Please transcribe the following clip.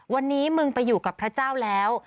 วันนี้มึงไปอยู่กับพระเจ้าแล้ว